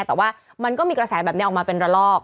แต่ว่ามันก็มีกระแสแบบนี้ออกมาเป็นระลอก